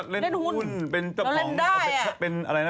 เล่นหุ้นแล้วเล่นได้